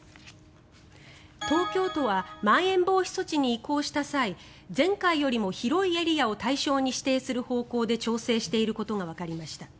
東京都はまん延防止措置に移行した際前回よりも広いエリアを対象に指定する方向で調整していることがわかりました。